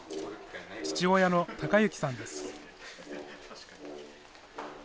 父親の崇之さんです。